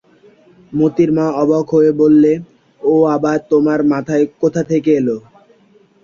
মোতির মা অবাক হয়ে বললে, ও আবার তোমার মাথায় কোথা থেকে এল?